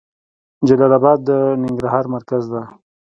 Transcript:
جلال اباد د ننګرهار مرکز ده.